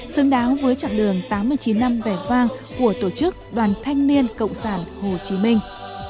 xứng đáng với trạng đường tám mươi chín năm vẻ vang của tổ chức đoàn thanh niên cộng sản hồ chí minh